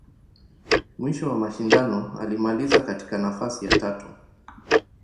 Mwisho wa mashindano, alimaliza katika nafasi ya tatu.